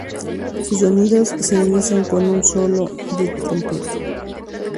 Su sonido se inicia con un solo de trompeta.